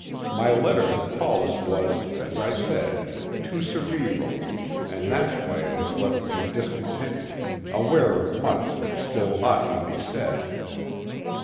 My letter to Paulus was, as I said, too cerebral, and that's why it has left me discontented, aware of much that still ought to be said.